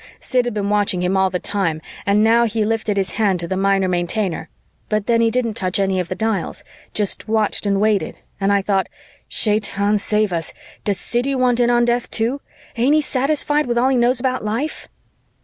Sid had been watching him all the time and now he lifted his hand to the Minor Maintainer, but then he didn't touch any of the dials, just watched and waited, and I thought, "Shaitan shave us! Does Siddy want in on death, too? Ain't he satisfied with all he knows about life?"